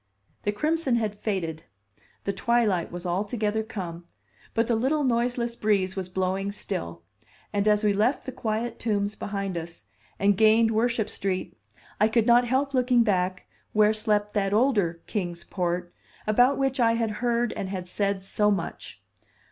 The crimson had faded, the twilight was altogether come, but the little noiseless breeze was blowing still; and as we left the quiet tombs behind us, and gained Worship Street, I could not help looking back where slept that older Kings Port about which I had heard and had said so much.